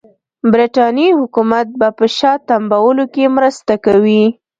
برټانیې حکومت به په شا تمبولو کې مرسته کوي.